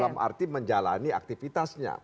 dalam arti menjalani aktivitasnya